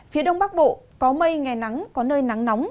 phía đông bắc bộ có mây ngày nắng có nơi nắng nóng